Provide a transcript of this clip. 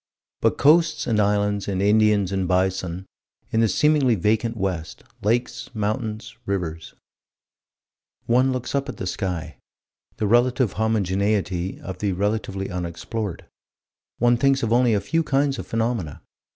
But coasts and islands and Indians and bison, in the seemingly vacant west: lakes, mountains, rivers One looks up at the sky: the relative homogeneity of the relatively unexplored: one thinks of only a few kinds of phenomena.